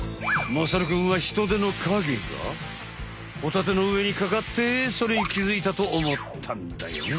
まさるくんはヒトデの影がホタテのうえにかかってそれに気づいたと思ったんだよね。